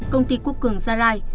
công ty quốc cường gia lai